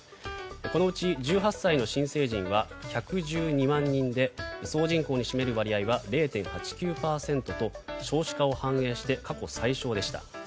このうち１８歳の新成人は１１２万人で総人口に占める割合は０．８９％と少子化を反映して過去最少でした。